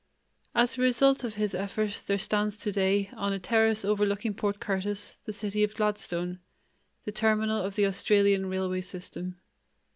As a result of his effort there stands today, on a terrace overlooking Port Curtis, the city of Gladstone, the terminal of the Australian railway system.